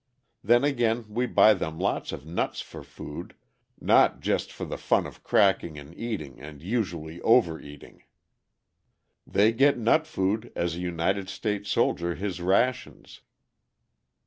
Then again we buy them lots of nuts for food, not just for the fun of cracking and eating and usually overeating. They get nut food as a United States soldier his rations.